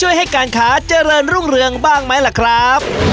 ให้การค้าเจริญรุ่งเรืองบ้างไหมล่ะครับ